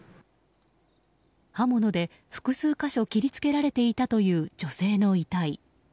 刃物で複数箇所切りつけられていたという女性の遺体。